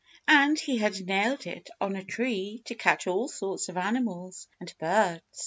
And he had nailed it on a tree to catch all sorts of animals and birds.